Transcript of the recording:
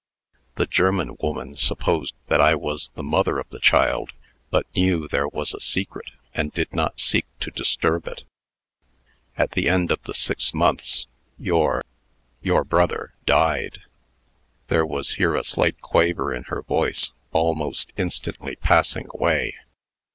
The German woman supposed that I was the mother of the child, but knew there was a secret, and did not seek to disturb it. At the end of the six months, your your brother died." (There was here a slight quaver in her voice, almost instantly passing away.)